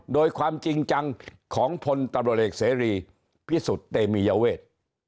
โดยความจริงจังของพลตำรวจเอกเสรีพิสุทธิ์เตมียเวท